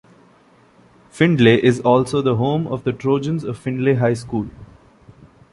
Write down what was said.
Findlay is also the home of the "Trojans" of Findlay High School.